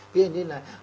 ví dụ như là